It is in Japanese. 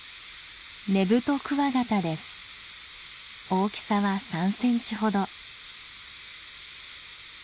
大きさは３センチほど。